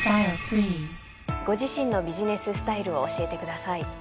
ご自身のビジネススタイルを教えてください。